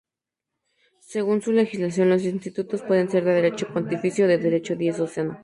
Según su legislación los institutos pueden ser de derecho pontificio o de derecho diocesano.